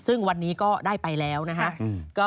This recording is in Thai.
ซึ่งวันนี้ก็ได้ไปแล้วนะฮะ